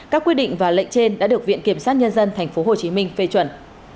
các quy định và lệnh trên đã được viện kiểm sát nhân dân tp hcm phê chuẩn